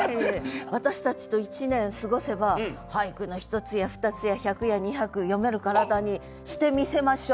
私たちと１年過ごせば俳句の一つや二つや百や二百詠める体にしてみせましょう。